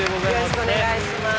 よろしくお願いします